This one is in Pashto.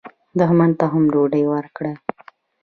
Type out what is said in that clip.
دښمن ته هم ډوډۍ ورکړئ